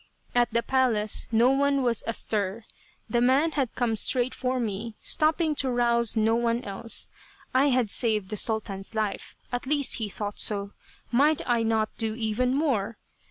At the palace no one was astir. The man had come straight for me, stopping to rouse no one else. I had saved the Sultan's life. At least he thought so. Might I not do even more?